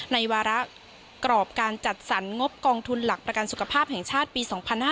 วาระกรอบการจัดสรรงบกองทุนหลักประกันสุขภาพแห่งชาติปี๒๕๕๙